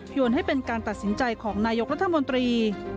ให้เป็นการตัดสินใจของนายกรัฐมนตรี